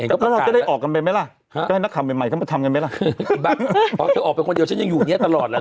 ก็เราจะได้ออกกันเป็นไหมล่ะ